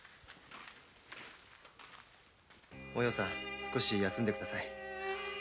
お葉さん少し休んでください。